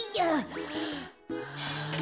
はあ。